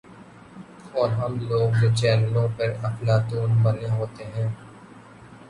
اورہم لوگ جو چینلوں پہ افلاطون بنے ہوتے ہیں۔